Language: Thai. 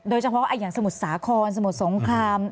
โดยเฉพาะอย่างสมุทรสาครสมุทรสงคราม